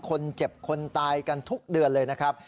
คนเจ็บคนตายกันทุกเดือนเลยนะครับ